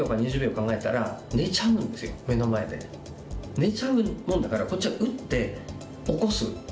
寝ちゃうもんだからこっちは打って起こす。